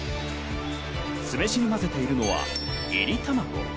酢飯にまぜているのは炒り卵。